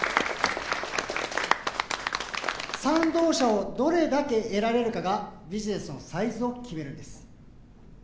賛同者をどれだけ得られるかがビジネスのサイズを決めるんです